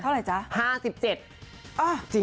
เท่าไหร่จ๊ะ๕๗